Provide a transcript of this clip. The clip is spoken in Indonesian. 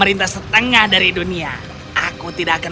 beliau mencari pahalaya sejati undang undang